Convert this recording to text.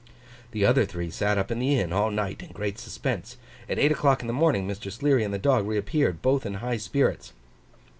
The other three sat up at the inn all night in great suspense. At eight o'clock in the morning Mr. Sleary and the dog reappeared: both in high spirits.